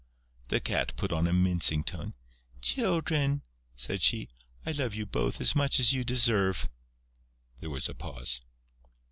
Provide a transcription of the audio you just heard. The Cat put on a mincing tone: "Children," said she, "I love you both as much as you deserve." There was a pause.